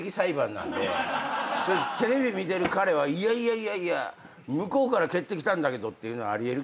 テレビ見てる彼は「いやいや向こうから蹴ってきたんだけど」っていうのはあり得るけどね。